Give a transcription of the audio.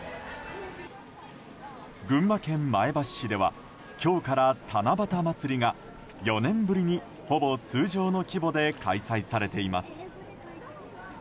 群馬県前橋市では今日から七夕まつりが４年ぶりに、ほぼ通常の規模で開催されています。